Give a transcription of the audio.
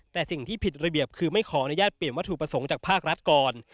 แต่สิ่งที่ผิดระเบียบคือไม่ขออนุญาตเปลี่ยนวัตถุประสงค์จากภาครัฐก่อน